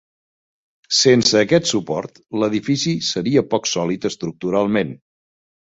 Sense aquest suport, l'edifici seria poc sòlid estructuralment.